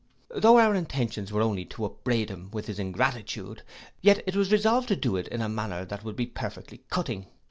Tho' our intentions were only to upbraid him with his ingratitude; yet it was resolved to do it in a manner that would be perfectly cutting.